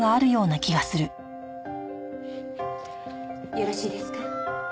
よろしいですか？